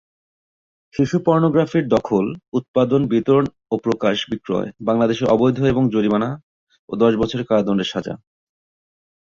শিশু পর্নোগ্রাফির দখল, উৎপাদন, বিতরণ ও প্রকাশ্য বিক্রয় বাংলাদেশে অবৈধ এবং জরিমানা ও দশ বছরের কারাদণ্ডের সাজা।